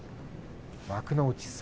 幕内